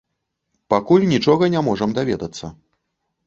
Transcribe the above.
Пакуль нічога не можам даведацца.